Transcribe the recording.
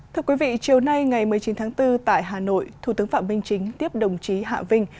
thưa quý vị chiều nay ngày một mươi chín tháng bốn tại hà nội thủ tướng phạm minh chính tiếp đồng chí hạ vinh